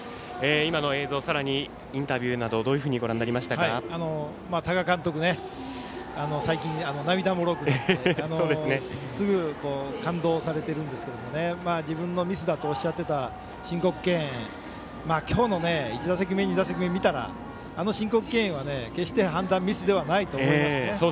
今の映像、さらにインタビューなど多賀監督、最近涙もろくてすぐ感動されてるんですけど自分のミスだとおっしゃっていた申告敬遠、今日の１打席目、２打席目見たらあの申告敬遠は、決して判断ミスではないと思いますね。